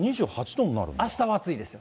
あしたは暑いですよ。